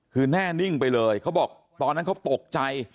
คือแน่นิ่งไปเลยเขาบอกตอนนั้นเขาตกใจ